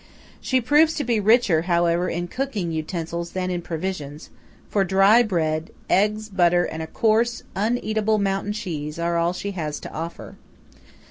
She proves to be richer, however, in cooking utensils than in provisions; for dry bread, eggs, butter, and a coarse, uneatable mountain cheese are all she has to offer.